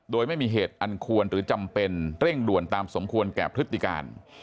โดยไม่มีเหตุอันควรหรือจำเป็นเร่งด่วนตามสมควรแก่พฤติการ